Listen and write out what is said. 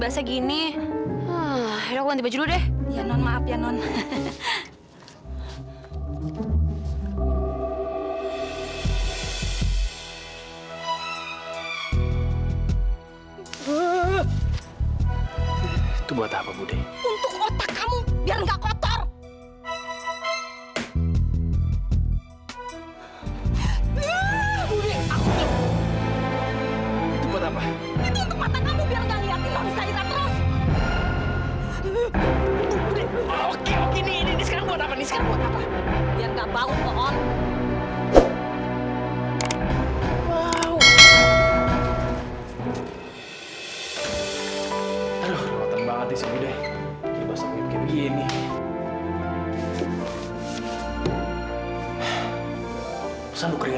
sampai jumpa di video selanjutnya